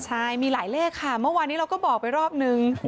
ใช่มีหลายเลขค่ะเมื่อวานนี้เราก็บอกไปรอบนึง